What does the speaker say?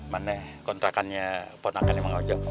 mana kontrakannya potangannya mang ojo